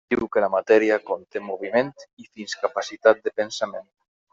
Diu que la matèria conté moviment i fins capacitat de pensament.